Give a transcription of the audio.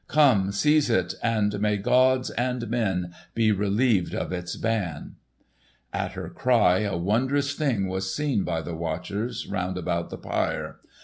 Come, seize it, and may gods and men be relieved of its ban!" At her cry a wondrous thing was seen by the watchers round about the pyre.